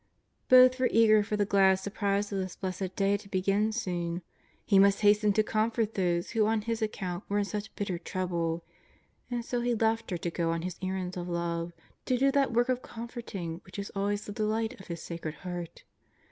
* Both were eager for the glad surprises of this blessed day to begin soon. He must hasten to comfort those who on His account were in such bitter trouble. And so He left her to go on His errands of love, to do that work of comforting which is always the delight of His Sacred Heart.